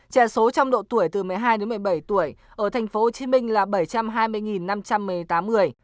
trẻ số trong độ tuổi từ một mươi hai đến một mươi bảy tuổi ở thành phố hồ chí minh là bảy trăm hai mươi năm trăm một mươi tám người